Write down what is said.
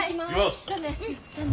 じゃあね。